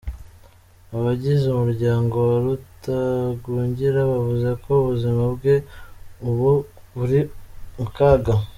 Abagize umuryango wa Rutagungira bavuga ko ubuzima bwe ubu buri mu kaga.